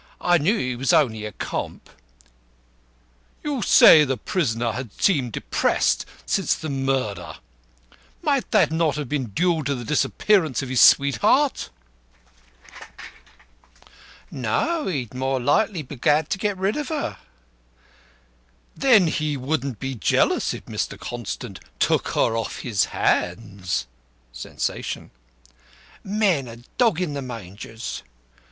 I knew he was only a comp." "You say the prisoner has seemed depressed since the murder. Might not that have been due to the disappearance of his sweetheart?" "No, he'd more likely be glad to get rid of her." "Then he wouldn't be jealous if Mr. Constant took her off his hands?" (Sensation.) "Men are dog in the mangers."